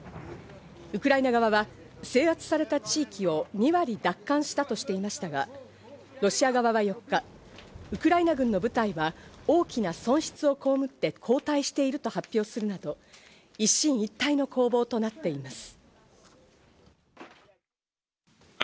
ウクライナ側は制圧された地域を２割奪還したとしていましたが、ロシア側は４日、ウクライナ軍の部隊は大きな損失をこうむって後退していると発表するなど、一進一退の攻防となっています。